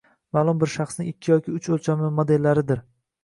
Maʼlum bir shaxsning ikki yoki uch oʻlchovli modellaridir